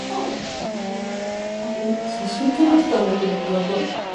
Үз анасын зурлаган, кеше анасын хурламас.